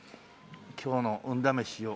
今日の運試しを。